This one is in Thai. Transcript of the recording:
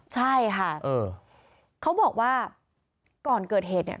ใช่ค่ะเขาบอกว่าก่อนเกิดเหตุเนี่ย